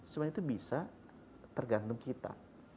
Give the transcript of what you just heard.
semua itu bisa tergantung kita